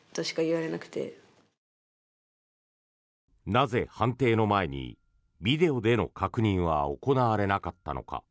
なぜ判定の前にビデオでの確認は行われなかったのか。